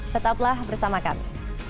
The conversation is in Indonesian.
tetaplah bersama kami